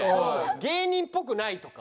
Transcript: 「芸人っぽくない」とか。